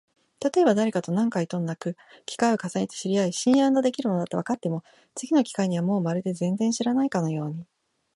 たとえばだれかと何回となく機会を重ねて知り合い、信用のできる者だとわかっても、次の機会にはもうまるで全然知らないかのように、